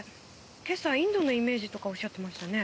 今朝インドのイメージとかおっしゃってましたね。